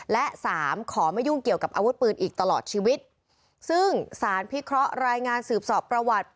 และสามขอไม่ยุ่งเกี่ยวกับอาวุธปืนอีกตลอดชีวิตซึ่งสารพิเคราะห์รายงานสืบสอบประวัติ